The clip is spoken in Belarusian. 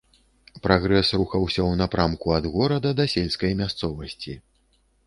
Прагрэс рухаўся ў напрамку ад горада да сельскай мясцовасці.